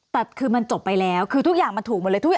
แต่คือมันจบไปแล้วคือทุกอย่างมันถูกหมดเลยทุกอย่าง